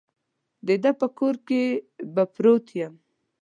د ده په کور کې به پروت یم.